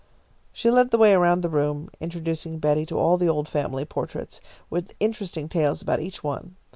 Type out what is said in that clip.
She led the way around the room, introducing Betty to all the old family portraits, with interesting tales about each one.